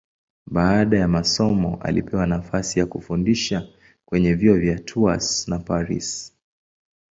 Baada ya masomo alipewa nafasi ya kufundisha kwenye vyuo vya Tours na Paris.